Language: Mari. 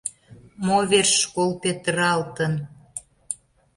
Мо верч школ петыралтын?